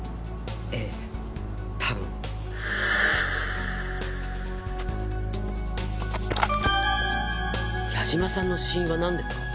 ええたぶん矢島さんの死因は何ですか？